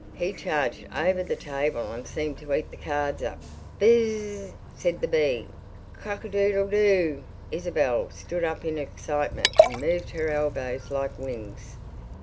He charged over the table and seemed to eat the cards up. Bss ss! said the bee. Cock a doodle do! Isabel stood up in her excitement and moved her elbows like wings.